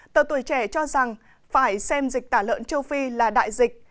tờ tuổi trẻ cho rằng phải xem dịch tả lợn châu phi là đại dịch